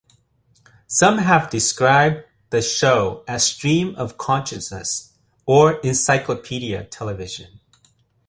Some have described the show as "stream-of-consciousness" or "encyclopedia" television.